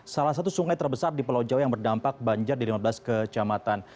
salah satu sungai terbesar di pulau jawa yang berdampak banjir di lima belas kecamatan